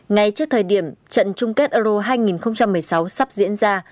ngay trước thời điểm trận chung kết euro hai nghìn một mươi sáu sắp diễn ra